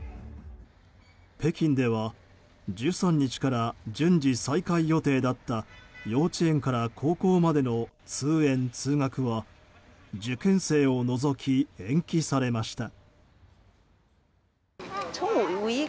北京では１３日から順次再開予定だった幼稚園から高校までの通園・通学は受験生を除き延期されました。